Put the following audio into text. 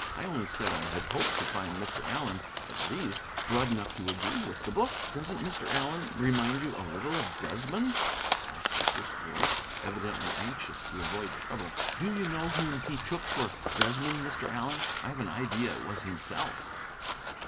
I only said I had hoped to find Mr. Allen, at least, broad enough to agree with the book." "Doesn't Mr. Allen remind you a little of Desmond?" asked the first voice, evidently anxious to avoid trouble. "Do you know whom he took for Desmond, Mr. Allen? I have an idea it was himself."